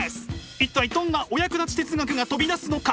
一体どんなお役立ち哲学が飛び出すのか。